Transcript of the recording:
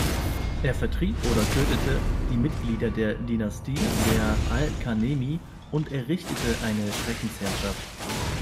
Er vertrieb oder tötete die Mitglieder der Dynastie der al-Kanemi und errichtete eine Schreckensherrschaft.